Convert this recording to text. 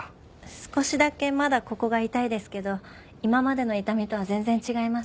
少しだけまだここが痛いですけど今までの痛みとは全然違います。